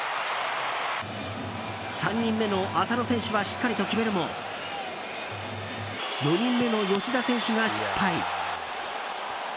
３人目の浅野選手はしっかりと決めるも４人目の吉田選手が失敗。